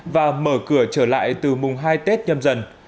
và mở cửa trở lại từ mùng hai tết nhâm dần